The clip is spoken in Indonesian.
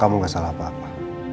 kamu gak salah apa apa